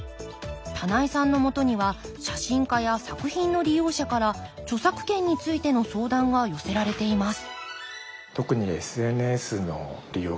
棚井さんのもとには写真家や作品の利用者から著作権についての相談が寄せられています